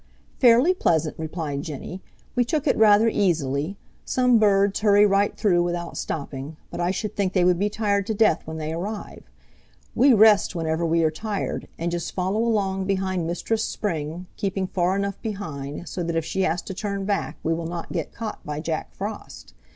"Fairly pleasant," replied Jenny. "We took it rather easily, Some birds hurry right through without stopping, but I should think they would be tired to death when they arrive. We rest whenever we are tired, and just follow along behind Mistress Spring, keeping far enough behind so that if she has to turn back we will not get caught by Jack Frost.